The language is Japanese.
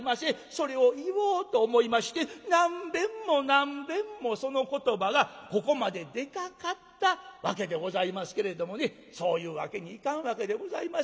それを言おうと思いまして何べんも何べんもその言葉がここまで出かかったわけでございますけれどもねそういうわけにいかんわけでございますよね。